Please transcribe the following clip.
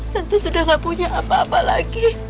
tante sudah gak punya apa apa lagi